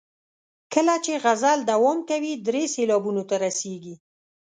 کله چې غزل دوام کوي درې سېلابونو ته رسیږي.